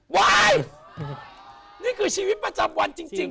ว้ายยยยยนี่คือชีวิตประจำวันจริงใช่ไหม